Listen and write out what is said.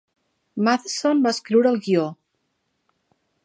Matheson va escriure el guió.